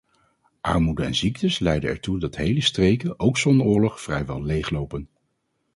Armoede en ziektes leiden ertoe dat hele streken ook zonder oorlog vrijwel leeglopen.